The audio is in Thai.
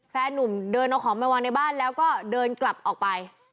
แฟนนุ่มเดินเอาของไปวางในบ้านแล้วก็เดินกลับออกไป